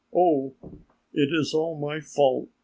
Oh, it is all my fault.